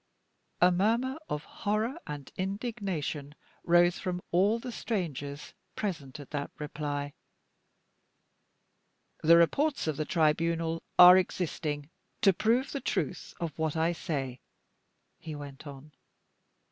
(A murmur of horror and indignation rose from all the strangers present at that reply.) "The reports of the Tribunal are existing to prove the truth of what I say," he went on.